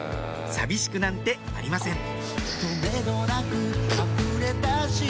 寂しくなんてありません